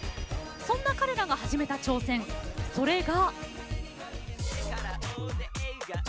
そんな彼らが始めた挑戦それが。